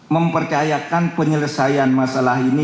mempercayakan penyelesaian masalah ini